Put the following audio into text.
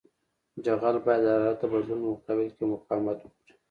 جغل باید د حرارت د بدلون په مقابل کې مقاومت وکړي